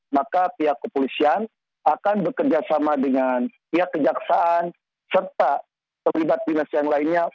maka pihak kepolisian akan bekerjasama dengan pihak kejaksaan serta terlibat dinas yang lainnya